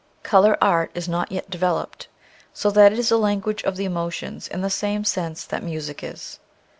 Color art is not yet developed so that it is a language of the emotions in the same sense that music is.